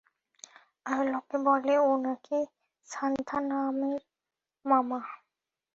আর লোকে বলে ও নাকি সান্থানামের মামা।